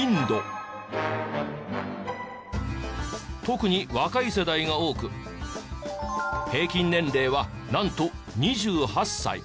特に若い世代が多く平均年齢はなんと２８歳。